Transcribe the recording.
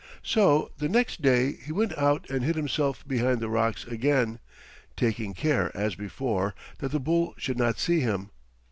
So the next day he went out and hid himself behind the rocks again, taking care, as before, that the bull should not see him.